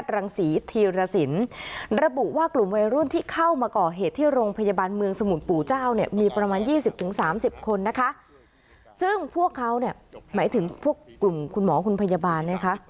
หมายถึงพวกกลุ่มคุณหมอคุณพยาบาลนะคะ